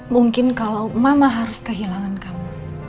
mungkin kalau mama harus kehilangan kamu